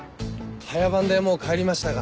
早番でもう帰りましたが。